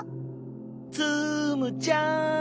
ツムちゃん！